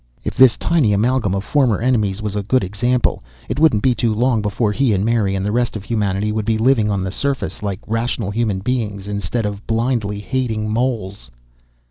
If this tiny amalgam of former enemies was a good example, it wouldn't be too long before he and Mary and the rest of humanity would be living on the surface like rational human beings instead of blindly hating moles.